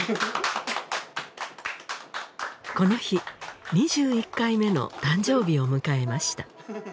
この日２１回目の誕生日を迎えました